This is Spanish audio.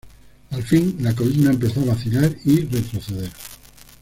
Al fin, la columna empezó a vacilar y retroceder.